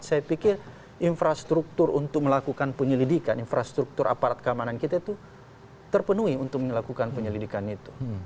saya pikir infrastruktur untuk melakukan penyelidikan infrastruktur aparat keamanan kita itu terpenuhi untuk melakukan penyelidikan itu